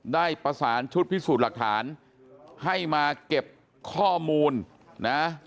ได้ประสานชุดพิสูจน์หลักฐานให้มาเก็บข้อมูลนะ